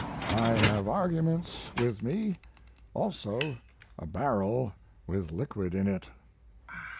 I have arguments with me, also a barrel with liquid in it.